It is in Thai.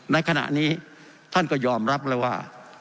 ในขณะนี้ท่านก็ยอมรับเลยว่า